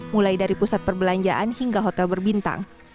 mulai dari pusat perbelanjaan hingga hotel berbintang